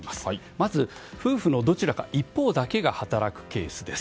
まず夫婦のどちらか一方だけが働くケースです。